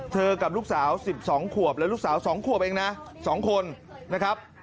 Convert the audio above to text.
กับลูกสาว๑๒ขวบและลูกสาว๒ขวบเองนะ๒คนนะครับ